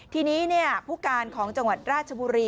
ทีนี้ผู้การของจังหวัดราชบุรี